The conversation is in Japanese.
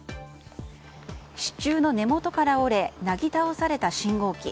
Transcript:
支柱の根元から折れなぎ倒された信号機。